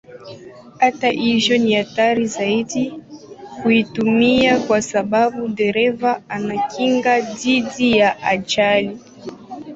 Hata hivyo ni hatari zaidi kuitumia kwa sababu dereva hana kinga dhidi ya ajali.